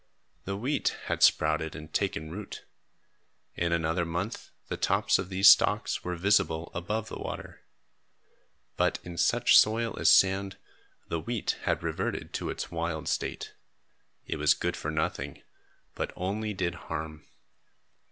The wheat had sprouted and taken root. In another month the tops of these stalks were visible above the water. But in such soil as sand, the wheat had reverted to its wild state. It was good for nothing, but only did harm.